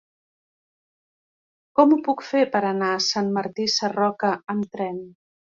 Com ho puc fer per anar a Sant Martí Sarroca amb tren?